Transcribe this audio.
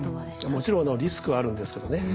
もちろんリスクはあるんですけどね。